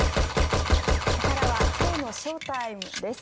ここからは今日のショータイムです。